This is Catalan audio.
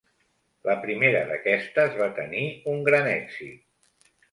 La primera d'aquestes, va tenir un gran èxit.